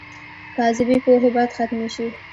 کاذبې پوهې باید ختمې شي.